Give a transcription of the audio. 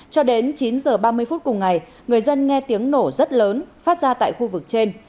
cho đến chín h ba mươi phút cùng ngày người dân nghe tiếng nổ rất lớn phát ra tại khu vực trên